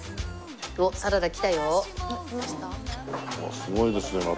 すごいですねまた。